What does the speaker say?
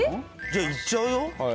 じゃあいっちゃうよ？